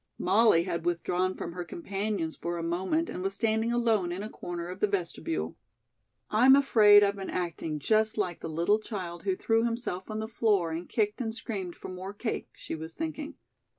Molly had withdrawn from her companions for a moment and was standing alone in a corner of the vestibule. "I'm afraid I've been acting just like the little child who threw himself on the floor and kicked and screamed for more cake," she was thinking.